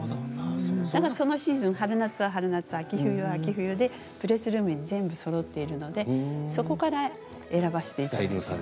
だから、そのシーズン春夏は春夏、秋冬は秋冬でプレスルームに全部そろっているので、そこから選ばせていただいています。